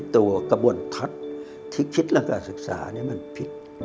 ตัวกระบวนทัศน์ที่คิดเรื่องการศึกษานี้มันผิด